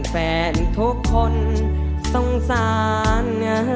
แฟนทุกคนสงสาร